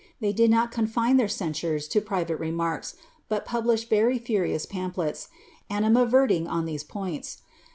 They did not confine their censures to private remarks, but published very furious pamphlets animadverting OD these points.